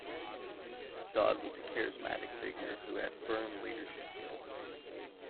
Dodd was a charismatic figure who had firm leadership skills.